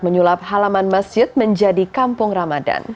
menyulap halaman masjid menjadi kampung ramadan